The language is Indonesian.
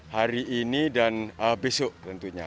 hari ini dan besok tentunya